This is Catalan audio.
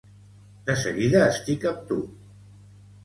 De seguida estic amb tu.